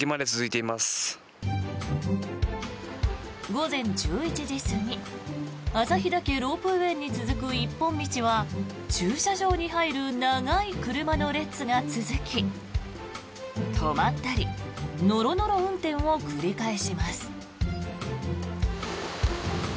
午前１１時過ぎ旭岳ロープウェイに続く一本道は駐車場に入る長い車の列が続き止まったりノロノロ運転を繰り返します。